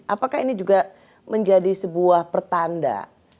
apakah ini juga menjadi sebuah pertanda